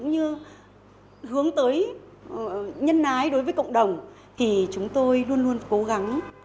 hướng tới nhân ái đối với cộng đồng thì chúng tôi luôn luôn cố gắng